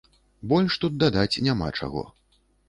Больш тут дадаць няма чаго.